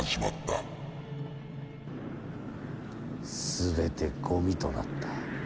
全てごみとなった。